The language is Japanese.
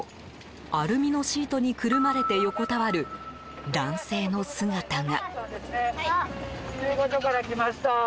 アルミのシートにくるまれて横たわる男性の姿が。